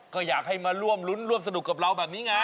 ก็อยากให้มาร่วมรุ้นร่วมสนุกกับเราแบบนี้ไง